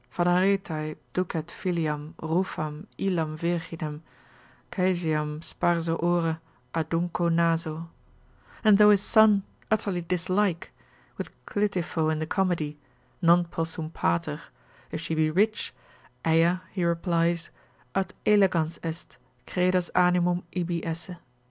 Phanaretae ducet filiam, rufam, illam virginem, Caesiam, sparso ore, adunco naso——— and though his son utterly dislike, with Clitipho in the comedy, Non possum pater: If she be rich, Eia (he replies) ut elegans est, credas animum ibi esse?